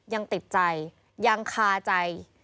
ยังติดใจยังคาใจ